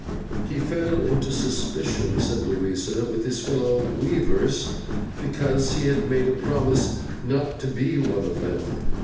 'He fell into suspicion,' said Louisa, 'with his fellow weavers, because—he had made a promise not to be one of them.